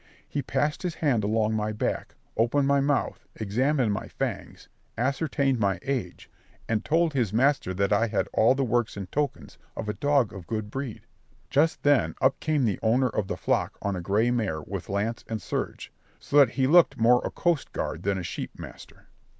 He passed his hand along my back, opened my mouth, examined my fangs, ascertained my age, and told his master that I had all the works and tokens of a dog of good breed. Just then up came the owner of the flock on a gray mare with lance and surge, so that he looked more a coast guard than a sheep master.